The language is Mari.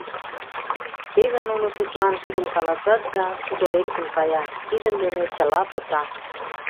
Теве нуно тудлан тидым каласат да тудо лектын кая, тидын дене чыла пыта.